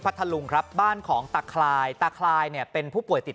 ทะลุงครับบ้านของตาคลายตาคลายเนี่ยเป็นผู้ป่วยติด